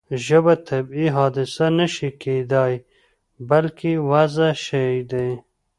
ژبه طبیعي حادثه نه شي کېدای بلکې وضعي شی دی.